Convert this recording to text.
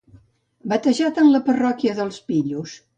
Batejat en la parròquia dels pillos.